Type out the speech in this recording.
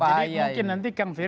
jadi mungkin nanti kang ferry